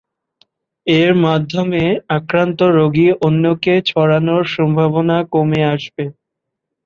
এর মাধ্যমে আক্রান্ত রোগী অন্যকে ছড়ানোর সম্ভাবনা কমে আসবে।